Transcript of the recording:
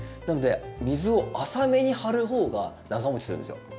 なので水を浅めに張る方が長もちするんですよ。